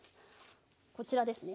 こちらですね。